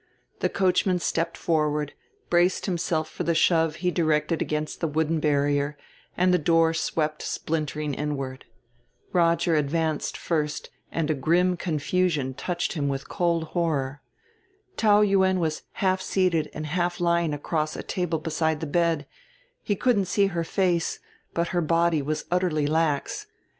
The coachman stepped forward, braced himself for the shove he directed against the wooden barrier, and the door swept splintering inward. Roger advanced first and a grim confusion touched him with cold horror. Taou Yuen was half seated and half lying across a table beside the bed; he couldn't see her face, but her body was utterly lax.